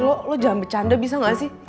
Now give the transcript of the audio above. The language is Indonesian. lo jangan bercanda bisa gak sih